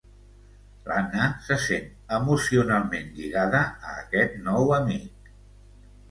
L'Anna se sent emocionalment lligada a aquest nou amic.